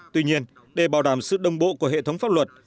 tuy nhiên để bảo đảm sự đồng bộ của hệ thống pháp luật